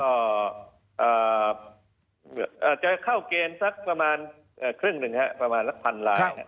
ก็จะเข้าเกณฑ์สักประมาณครึ่งหนึ่งครับประมาณละพันลาย